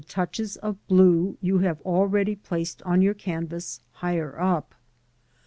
69 touches of blue you have already placed on your canvas higher up.